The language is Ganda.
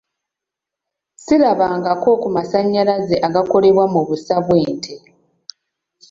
Sirabangako ku masannyalaze agakolebwa mu busa bw'ente.